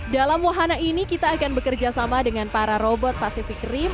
dalam wahana ini kita akan bekerja sama dengan para robot pacific rim